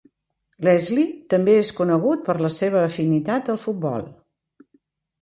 Leslie també és conegut per la seva afinitat al futbol.